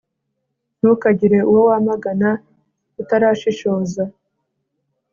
ntukagire uwo wamagana utarashishoza